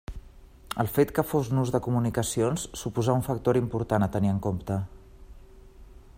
El fet que fos nus de comunicacions suposà un factor important a tenir en compte.